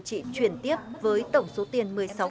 chị chuyển tiếp với tổng số tiền